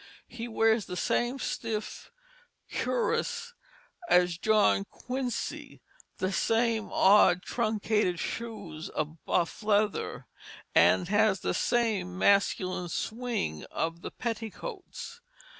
He wears the same stiff cuirass as John Quincy, the same odd truncated shoes of buff leather, and has the same masculine swing of the petticoats.